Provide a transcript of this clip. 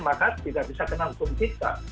maka tidak bisa kena hukum kita